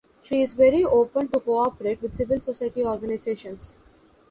She is very open to cooperate with Civil society organizations.